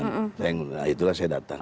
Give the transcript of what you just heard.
nah itulah saya datang